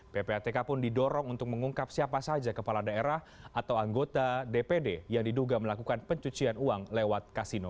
ppatk pun didorong untuk mengungkap siapa saja kepala daerah atau anggota dpd yang diduga melakukan pencucian uang lewat kasino